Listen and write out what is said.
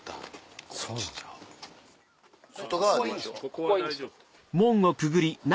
ここは大丈夫。